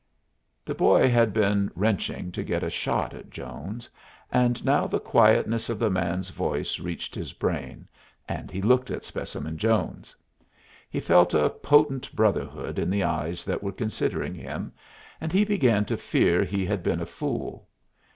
The boy had been wrenching to get a shot at Jones, and now the quietness of the man's voice reached his brain, and he looked at Specimen Jones. He felt a potent brotherhood in the eyes that were considering him, and he began to fear he had been a fool.